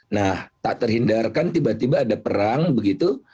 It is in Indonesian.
nah tak terhindarkan tiba tiba ada perang begitu